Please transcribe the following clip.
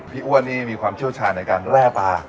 อ้วนนี่มีความเชี่ยวชาญในการแร่ปลา